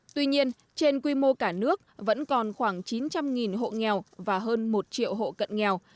tuy nhiên trên quy mô cả nước vẫn còn khoảng chín trăm linh hộ nghèo và hơn một triệu hộ cận nghèo